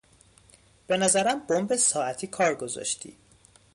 بنظرم بمب ساعتی کار گذاشتی!